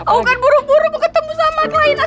aku kan buru buru mau ketemu sama klien asuransi